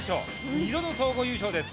２度の総合優勝です。